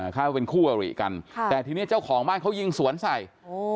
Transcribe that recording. เขาเป็นคู่อริกันค่ะแต่ทีนี้เจ้าของบ้านเขายิงสวนใส่โอ้